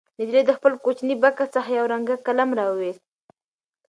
نجلۍ د خپل کوچني بکس څخه یو رنګه قلم راوویست.